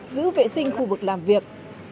giữ vệ sinh khu vực làm việc